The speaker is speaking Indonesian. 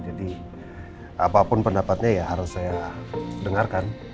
jadi apapun pendapatnya ya harus saya dengarkan